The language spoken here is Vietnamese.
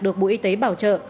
được bộ y tế bảo trợ